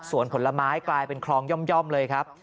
ส่วนผลไม้กลายเป็นคลองย่อมเลยครับ